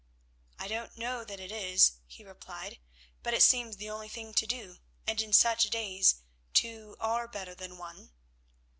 "I don't know that it is," he replied, "but it seems the only thing to do, and in such days two are better than one."